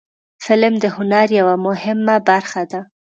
فلم د هنر یوه مهمه برخه ده